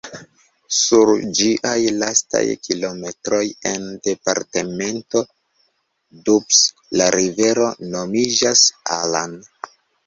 Sur ĝiaj lastaj kilometroj en departemento Doubs la rivero nomiĝas "Allan".